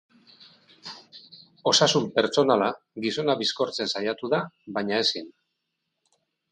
Osasun-pertsonala gizona bizkortzen saiatu da baina ezin.